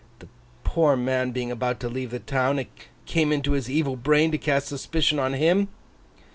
'The poor man being about to leave the town, it came into his evil brain to cast suspicion on him?